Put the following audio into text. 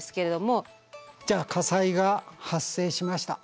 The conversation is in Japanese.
じゃあ火災が発生しました。